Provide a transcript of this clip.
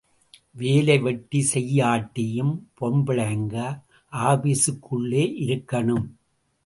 வேலை வெட்டி செய்யாட்டியும் பொம்பிளைங்க ஆப்ஸூக்கு உள்ளே இருக்கணும்.